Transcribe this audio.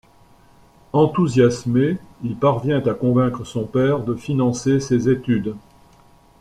Enthousiasmé, il parvient à convaincre son père de financer ses études.